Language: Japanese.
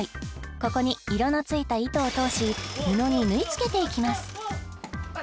ここに色のついた糸を通し布に縫い付けていきますあっ